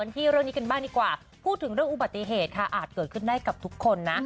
พูดถึงเรื่องอุบัติเหตุค่ะอาจเกิดขึ้นได้กับทุกคนนะ